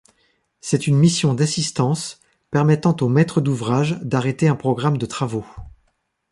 C'est une mission d'assistance permettant au maître d'ouvrage d'arrêter un programme de travaux.